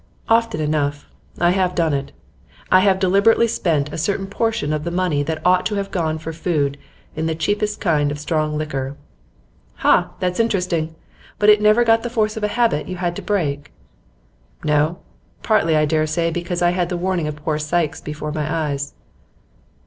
'Often enough. I have done it. I have deliberately spent a certain proportion of the money that ought to have gone for food in the cheapest kind of strong liquor.' 'Ha! that's interesting. But it never got the force of a habit you had to break?' 'No. Partly, I dare say, because I had the warning of poor Sykes before my eyes.